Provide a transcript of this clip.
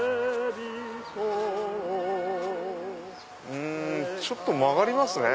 うんちょっと曲がりますね。